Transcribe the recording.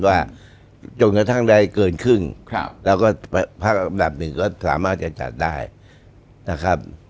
ว่าจนกระทั่งได้เกินครึ่งแล้วก็ภาคอันดับหนึ่งก็สามารถจะจัดได้นะครับ